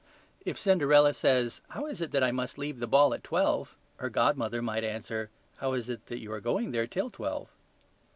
If Cinderella says, "How is it that I must leave the ball at twelve?" her godmother might answer, "How is it that you are going there till twelve?"